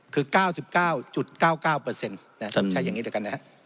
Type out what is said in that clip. คือ๙๙๙๙๙ใช้อย่างนี้ด้วยกันนะครับ